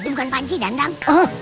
itu bukan panji dandang